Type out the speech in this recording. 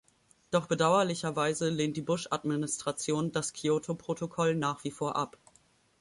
Doch bedauerlicherweise lehnt die Bush-Administration das Kyoto-Protokoll nach wie vor ab.